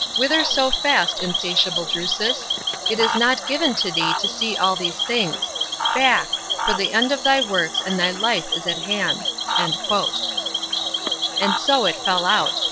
Whither so fast, insatiable Drusus ? It is not given to thee to see all these things. Back ! for the end of thy works and thy life is at hand." And so it fell out.